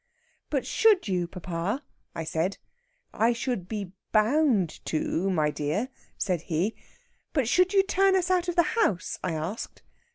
'But should you, papa?' I said. 'I should be bound to, my dear,' said he. 'But should you turn us out of the house?' I asked.